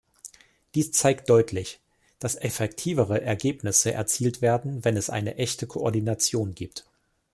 Dies zeigt deutlich, dass effektivere Ergebnisse erzielt werden, wenn es eine echte Koordination gibt.